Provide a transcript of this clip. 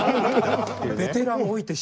ベテランをおいてして。